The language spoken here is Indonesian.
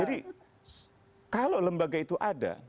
jadi kalau lembaga itu ada